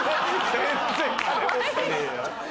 全然金持ってねえよ。